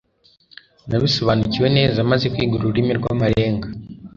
nabisobanukiwe neza maze kwiga ururimi rw'amarenga